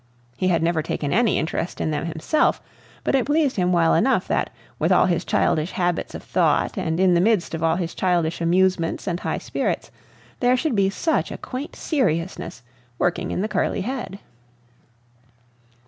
He had never taken any interest in them himself, but it pleased him well enough that, with all his childish habits of thought and in the midst of all his childish amusements and high spirits, there should be such a quaint seriousness working in the curly head.